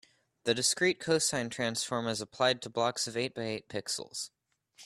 The discrete cosine transform is applied to blocks of eight by eight pixels.